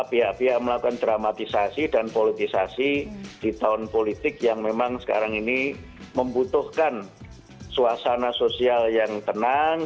pihak pihak melakukan dramatisasi dan politisasi di tahun politik yang memang sekarang ini membutuhkan suasana sosial yang tenang